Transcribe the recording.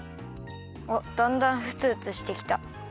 あっだんだんふつふつしてきた。